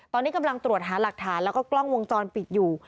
ตอนนี้กำลังตรวจหาหลักฐานแล้วก็กล้องวงจรปิดอยู่